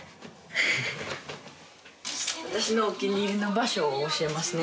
私のお気に入りの場所を教えますね